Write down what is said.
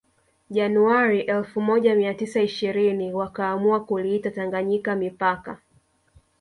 Januari elfu moja mia tisa ishirini wakaamua kuliita Tanganyika mipaka